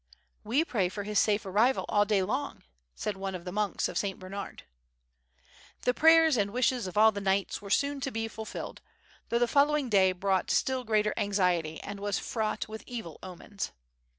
"We pray for his safe arrival all day long," said one of the monks of St. Bernard. The prayers and wishes of all the knights were soon to be fulfilled, though the following day brought still greater anxiety and was fraught with evil omens.